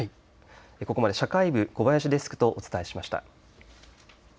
ここまで社会部、小林デスクとお伝えしました。